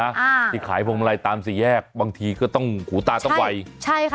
อ่าที่ขายพวงมาลัยตามสี่แยกบางทีก็ต้องหูตาต้องไวใช่ค่ะ